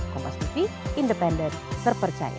kompas tv independen terpercaya